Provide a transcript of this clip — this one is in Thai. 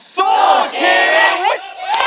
สู้ชีวิต